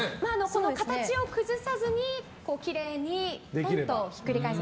この形を崩さずにきれいにポンとひっくり返す。